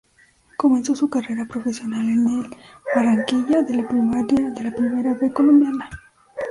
Comenzó su carrera profesional en el Barranquilla F. C. de la Primera B colombiana.